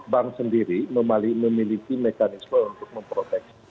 bank sendiri memiliki mekanisme untuk memproteksi